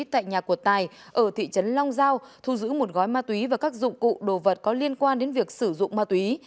tại nhà của tài ở thị trấn long giao thu giữ một gói ma túy và các dụng cụ đồ vật có liên quan đến việc sử dụng ma túy